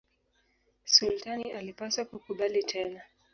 Sultani alipaswa kukubali tena.